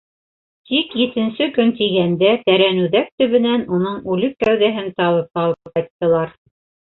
Тик етенсе көн тигәндә Тәрәнүҙәк төбөнән уның үлек кәүҙәһен табып алып ҡайттылар.